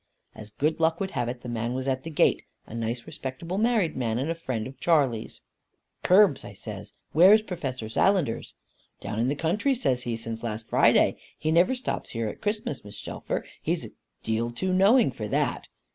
As good luck would have it, the man was at the gate; a nice respectable married man, and a friend of Charley's. 'Curbs,' I says, 'where is Professor Sallenders?' 'Down in the country,' says he, 'since last Friday. He never stops here at Christmas, Mrs. Shelfer, he's a deal too knowing for that.